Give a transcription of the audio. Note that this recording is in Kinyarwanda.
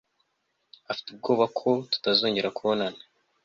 afite ubwoba ko tutazongera kubonana